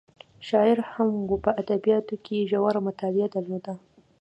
شاعره هم وه په ادبیاتو کې یې ژوره مطالعه درلوده.